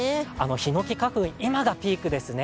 ひのき花粉、今がピークですね。